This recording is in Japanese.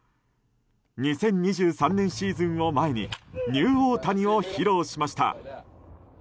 ２０２３年シーズンを前にニューオオタニを披露しました。